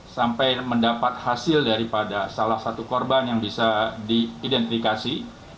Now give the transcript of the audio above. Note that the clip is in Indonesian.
sampai mendapat hasil daripada salah satu korban yang bisa diidentifikasi